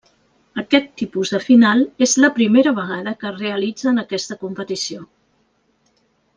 Aquest tipus de final és la primera vegada que es realitza en aquesta competició.